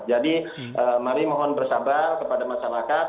jadi mari mohon bersabar kepada masyarakat